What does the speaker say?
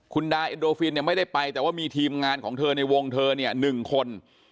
คุณดาเอ็นโดฟินเนี่ยไม่ได้ไปแต่ว่ามีทีมงานของเธอในวงเธอเนี่ย๑คน